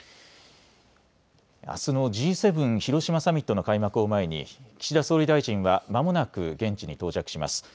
あすのＧ７広島サミットの開幕を前に岸田総理大臣はまもなく現地に到着します。